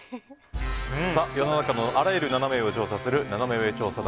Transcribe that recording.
世の中のあらゆるナナメ上を調査するナナメ上調査団。